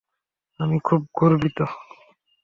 আমি খুব গর্বিত।